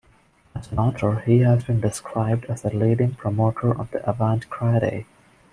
As an author he has been described as a leading promoter of the avant-garde.